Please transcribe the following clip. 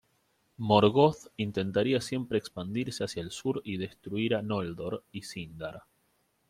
Morgoth intentaría siempre expandirse hacia el sur y destruir a Noldor y Sindar.